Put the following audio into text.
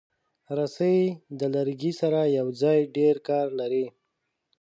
رسۍ د لرګي سره یوځای ډېر کار لري.